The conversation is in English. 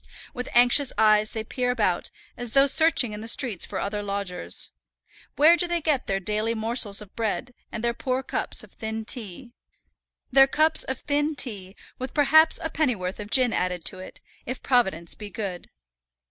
With anxious eyes they peer about, as though searching in the streets for other lodgers. Where do they get their daily morsels of bread, and their poor cups of thin tea, their cups of thin tea, with perhaps a pennyworth of gin added to it, if Providence be good!